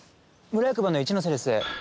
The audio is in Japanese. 村役場の一ノ瀬です